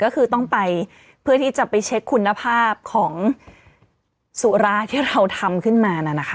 ก็คือต้องไปเพื่อที่จะไปเช็คคุณภาพของสุราที่เราทำขึ้นมานั่นนะคะ